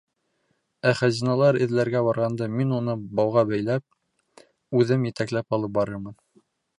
Ә хазиналар эҙләргә барғанда мин уны бауға бәйләп, үҙем етәкләп алып барырмын.